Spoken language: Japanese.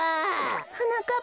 はなかっ